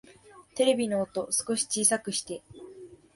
テレビの音、少し小さくして